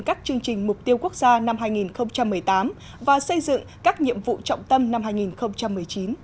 các chương trình mục tiêu quốc gia năm hai nghìn một mươi tám và xây dựng các nhiệm vụ trọng tâm năm hai nghìn một mươi chín